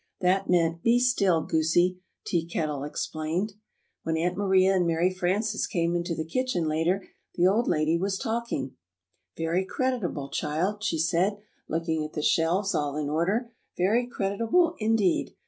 "That meant, 'Be still,' Goosie," Tea Kettle explained. [Illustration: "Oh, hum m m! O, yah, yah, yah."] When Aunt Maria and Mary Frances came into the kitchen later, the old lady was talking. "Very creditable, child," she said, looking at the shelves, all in order, "very creditable indeed.